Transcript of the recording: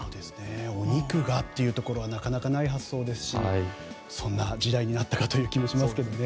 お肉がというところはなかなかない発想ですしそんな時代になったかという気もしますね。